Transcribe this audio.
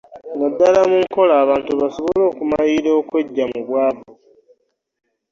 Naddala mu nkola abantu basobole okumalirira okweggya mu bwavu